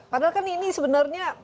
padahal kan ini sebenarnya